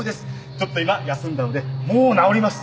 ちょっと今休んだのでもう治ります。